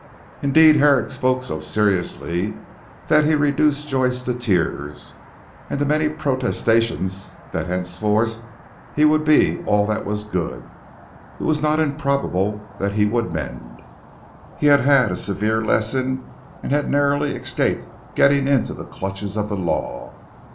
Indeed Herrick spoke so seriously that he reduced Joyce to tears, and to many protestations that henceforward he would be all that was good. It was not improbable that he would mend. He had had a severe lesson, and had narrowly escaped getting into the clutches of the law.